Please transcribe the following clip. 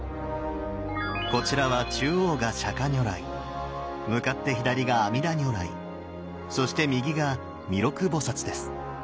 こちらは中央が釈如来向かって左が阿弥陀如来そして右が弥勒菩です。